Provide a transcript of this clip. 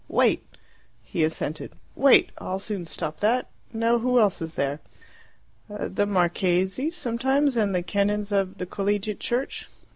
Wait!" He assented. "Wait! I'll soon stop that. Now, who else is there?" "The marchese, sometimes, and the canons of the Collegiate Church."